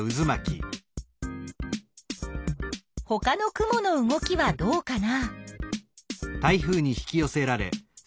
ほかの雲の動きはどうかな？